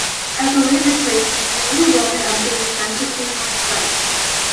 As a late replacement, Holy Roman Emperor was sent to Coolmore Stud.